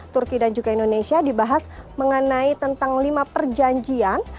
turki dan juga indonesia dibahas mengenai tentang lima perjanjian